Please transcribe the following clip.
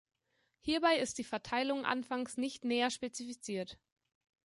Hierbei ist die Verteilung anfangs nicht näher spezifiziert.